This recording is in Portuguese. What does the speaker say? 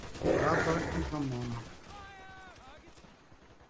Brava e reclamona